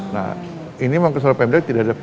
nah ini memang kesalahan pemda tidak ada